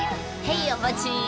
へいお待ち！